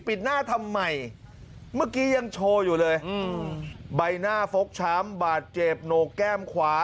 ปิดหน้าทำไมเมื่อกี้ยังโชว์อยู่เลยอืมใบหน้าฟกช้ำบาดเจ็บโหนกแก้มขวา